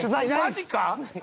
マジか！